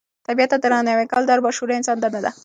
طبیعت ته درناوی کول د هر با شعوره انسان دنده ده.